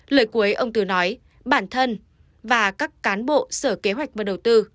lời cuối ông từ nói bản thân và các cán bộ sở kế hoạch và đầu tư